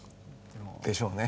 でしょうね。